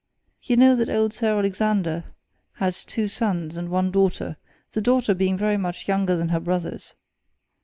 You know that old Sir Alexander had two sons and one daughter the daughter being very much younger than her brothers.